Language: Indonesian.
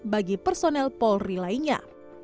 bagi personel polri lainnya